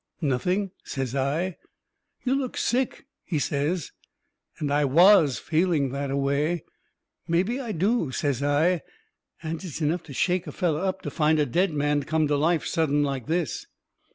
"Nothing," says I. "You look sick," he says. And I WAS feeling that a way. "Mebby I do," says I, "and it's enough to shake a feller up to find a dead man come to life sudden like this."